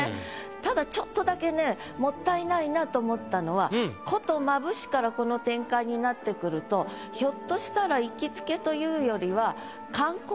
ただちょっとだけねもったいないなと思ったのは「古都眩し」からこの展開になってくるとひょっとしたら。